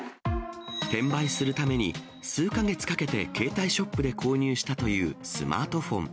転売するために数か月かけて携帯ショップで購入したというスマートフォン。